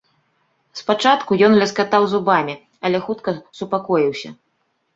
Спачатку ён ляскатаў зубамі, але хутка супакоіўся.